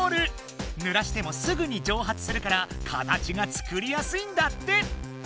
ぬらしてもすぐにじょうはつするから形が作りやすいんだって！